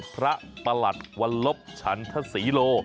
ประหลัดวันลบฉันทศรีโล